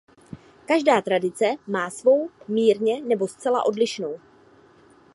Každá tradice má svou mírně nebo zcela odlišnou.